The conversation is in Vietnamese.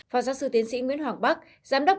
phó giáo sư tiến sĩ nguyễn hoàng bắc giám đốc